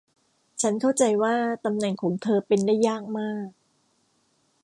ฉันเข้าใจว่าตำแหน่งของเธอเป็นได้ยากมาก